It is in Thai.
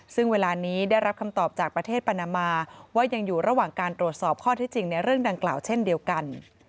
ซึ่งเวลานี้ได้รับคำตอบจากประเทศปานามาว่ายังอยู่ระหว่างการตรวจสอบข้อที่จริงในเรื่องดังกล่าวเช่นเดียวกัน